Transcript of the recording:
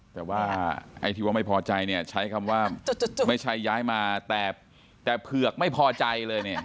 แต่ว่าไอ้ที่ว่าไม่พอใจเนี่ยใช้คำว่าไม่ใช่ย้ายมาแต่เผือกไม่พอใจเลยเนี่ย